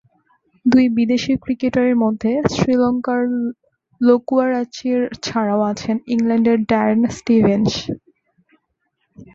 দুই বিদেশি ক্রিকেটারের মধ্যে শ্রীলঙ্কার লোকুয়ারাচ্চি ছাড়াও আছেন ইংল্যান্ডের ড্যারেন স্টিভেন্স।